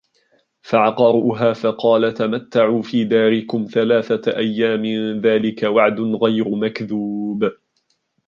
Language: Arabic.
فَعَقَرُوهَا فَقَالَ تَمَتَّعُوا فِي دَارِكُمْ ثَلَاثَةَ أَيَّامٍ ذَلِكَ وَعْدٌ غَيْرُ مَكْذُوبٍ